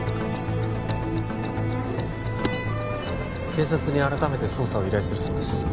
警察に改めて捜査を依頼するそうです